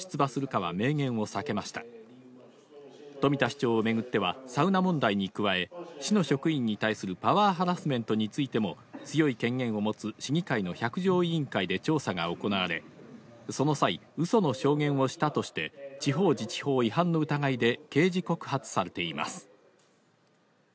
長を巡っては、サウナ問題に加え、市の職員に対するパワーハラスメントについても、強い権限を持つ市議会の百条委員会で調査が行われ、その際、うその証言をしたとして、地方自治法違反の疑いで刑事告発されています。